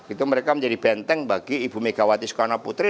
itu mereka menjadi benteng bagi ibu megawati soekarno putri